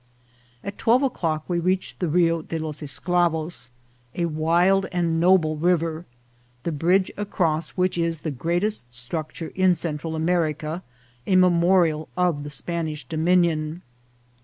At twelve o'clock we reached the Rio de los Escla vos, a wild and noble river, the bridge across which is the greatest structure in Central America, a memorial of the Spanish dominion.